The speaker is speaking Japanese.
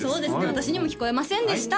私にも聞こえませんでした